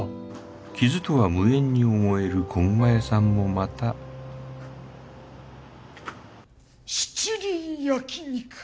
傷とは無縁に思えるこぐま屋さんもまた七輪焼肉。